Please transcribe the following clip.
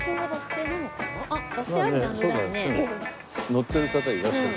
乗ってる方いらっしゃる。